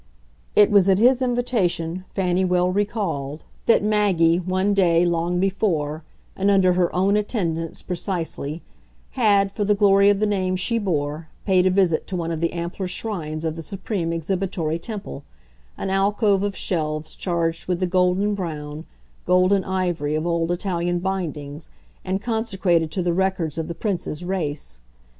It was at his invitation, Fanny well recalled, that Maggie, one day, long before, and under her own attendance precisely, had, for the glory of the name she bore, paid a visit to one of the ampler shrines of the supreme exhibitory temple, an alcove of shelves charged with the gold and brown, gold and ivory, of old Italian bindings and consecrated to the records of the Prince's race.